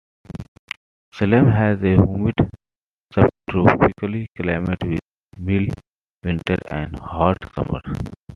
Salem has a humid subtropical climate with mild winters and hot summers.